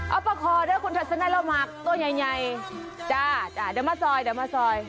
เอาประคอด้วยคุณทัศนัยเราหมักตัวใหญ่จ้าจ้ะเดี๋ยวมาซอยเดี๋ยวมาซอย